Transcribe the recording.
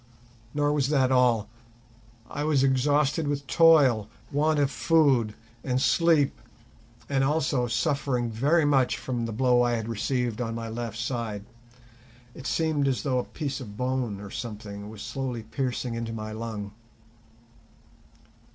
Nor was that all. I was exhausted with toil, want of food and sleep, and also suffering very much from the blow I had received on my left side; it seemed as though a piece of bone or something was slowly piercing into my lung.